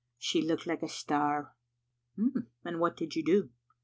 She looked like a star." " And what did you do?"